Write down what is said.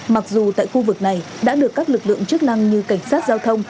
mặc dù tại khu vực này đã được các lực lượng chức năng như cảnh sát giao thông